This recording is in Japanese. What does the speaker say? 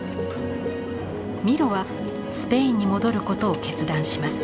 ミロはスペインに戻ることを決断します。